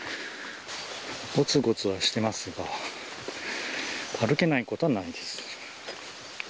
ごつごつはしてますが、歩けないことはないです。